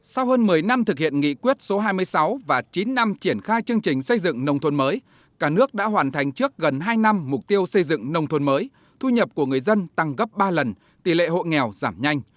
sau hơn một mươi năm thực hiện nghị quyết số hai mươi sáu và chín năm triển khai chương trình xây dựng nông thôn mới cả nước đã hoàn thành trước gần hai năm mục tiêu xây dựng nông thôn mới thu nhập của người dân tăng gấp ba lần tỷ lệ hộ nghèo giảm nhanh